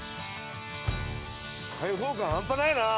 開放感半端ないな。